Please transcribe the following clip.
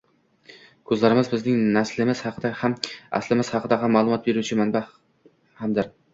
Ko`zlarimiz bizning naslimiz haqida ham, aslimiz haqida ham ma`lumot beruvchi manba hamdir